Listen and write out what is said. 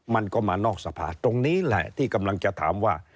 มันก็มานอกสภาตรงนี้แหละที่กำลังจะถามว่า